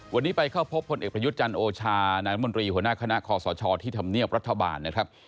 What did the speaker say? วันนี้ไปเข้าพบพลเอกประยุทธ์จันทร์โอชานายรัฐมนตรีหัวหน้าคณะคอสชที่ธรรมเนียบรัฐบาลนะครับ